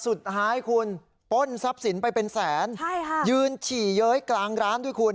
สุดท้ายคุณป้นทรัพย์สินไปเป็นแสนใช่ค่ะยืนฉี่เย้ยกลางร้านด้วยคุณ